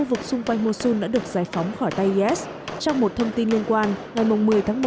chiến dịch quay mosul đã được giải phóng khỏi tay is trong một thông tin liên quan ngày một mươi tháng